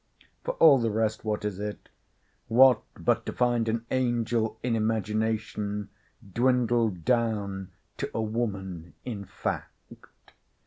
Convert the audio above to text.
—For all the rest, what is it?—What but to find an angel in imagination dwindled down to a woman in fact?